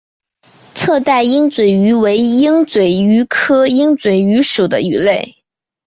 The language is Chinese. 侧带鹦嘴鱼为鹦嘴鱼科鹦嘴鱼属的鱼类。